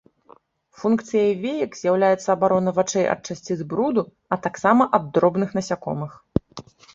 Функцыяй веек з'яўляецца абарона вачэй ад часціц бруду, а таксама ад дробных насякомых.